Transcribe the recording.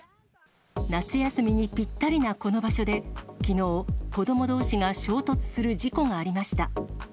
夏休みにぴったりなこの場所で、きのう、子どもどうしが衝突する事故がありました。